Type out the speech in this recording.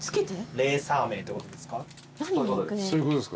レーサー名ってことですか？